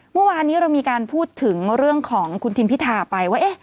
เมื่อวานนี้เรามีการพูดถึงเรื่องของคุณทิมพิธาไปว่า